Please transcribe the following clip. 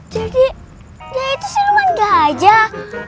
jadi dia itu siluman gajah